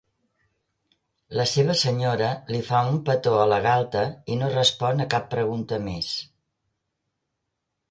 La seva senyora li fa un petó a la galta i no respon a cap pregunta més.